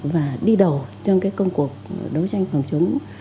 và đi đầu trong cái công cuộc đấu tranh phòng chống